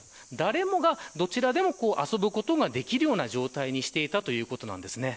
誰もが、どちらでも遊ぶことができるような状態にしていたということです。